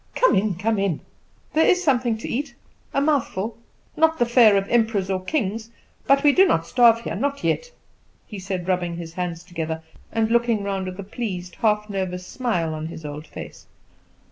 "Come in, come in. There is something to eat a mouthful: not the fare of emperors or kings; but we do not starve, not yet," he said, rubbing his hands together and looking round with a pleased, half nervous smile on his old face.